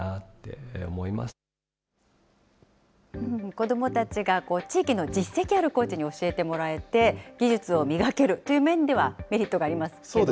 子どもたちが地域の実績あるコーチに教えてもらえて、技術を磨けるという面では、メリットがありますけどね。